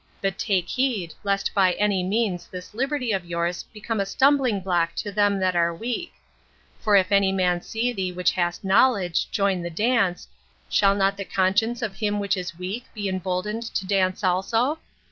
But take heed, lest by any means this liberty of yours become a stumbling block to them that are weak ; for if any man see thee which hast knowledge, join the dance, shall not the conscience of him which is weak be emboldened to dance also